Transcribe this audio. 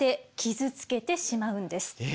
え！